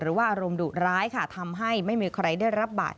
อารมณ์ดุร้ายค่ะทำให้ไม่มีใครได้รับบาดเจ็บ